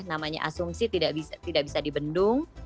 namanya asumsi tidak bisa dibendung